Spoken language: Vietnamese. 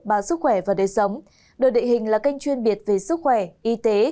bản sức khỏe và đời sống đội địa hình là kênh chuyên biệt về sức khỏe y tế